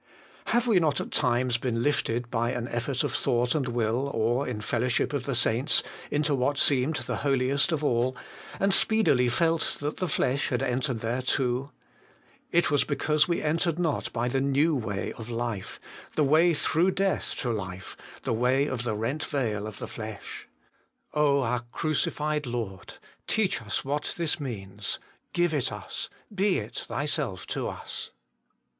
5. Have we not at times been lifted, by an effort of thought and will, or in the fellowship of the saints, into what seemed the Holiest of all, and speedily felt that the flesh had entered there too ? It was because we entered not by the new way of life the way through death to life the way of the rent veil of the flesh. our crucified Lord ! teach us what this means; give it us ; be it Thyself to us.